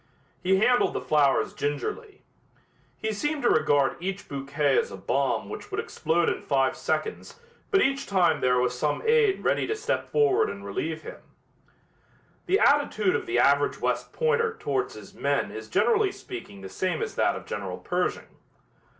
He handled the flowers gingerly. He seemed to regard each bouquet as a bomb which would explode in five seconds but each time there was some aide ready to step forward and relieve him. The attitude of the average West Pointer towards his men is generally speaking the same as that of General Pershing.